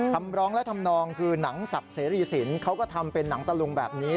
คำร้องและทำนองคือหนังสับเสรีสินเขาก็ทำเป็นหนังตะลุงแบบนี้